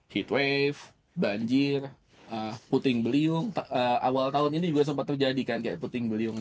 heat wave banjir puting beliung awal tahun ini juga sempat terjadi kan kayak puting beliung